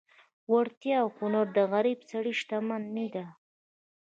وړتیا او هنر د غریب سړي شتمني ده.